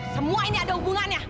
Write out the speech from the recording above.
semua ini ada hubungannya